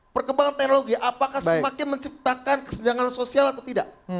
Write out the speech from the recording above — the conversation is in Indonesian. perkembangan teknologi apakah semakin menciptakan kesenjangan sosial atau tidak